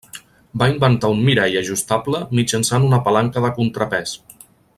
Va inventar un mirall ajustable mitjançant una palanca de contrapès.